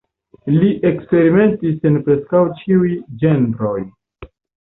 Li eksperimentis en preskaŭ ĉiuj ĝenroj.